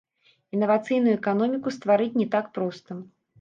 Інавацыйную эканоміку стварыць не так проста.